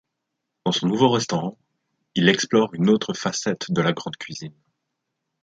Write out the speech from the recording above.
Dans son nouveau restaurant, il explore une autre facette de la grande cuisine.